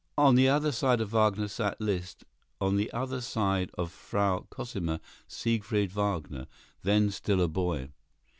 On the other side of Wagner sat Liszt; on the other side of Frau Cosima, Siegfried Wagner, then still a boy.